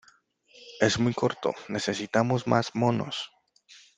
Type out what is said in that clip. ¡ Es muy corto! ¡ necesitamos más monos !